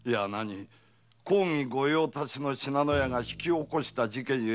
公儀御用達の信濃屋が引き起こした事件ゆえ